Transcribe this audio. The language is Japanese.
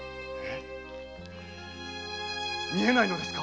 見えないのですか？